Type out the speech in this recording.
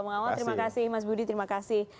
mengawal terima kasih mas budi terima kasih